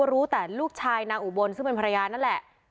รู้แต่ลูกชายนางอุบลซึ่งเป็นภรรยานั่นแหละ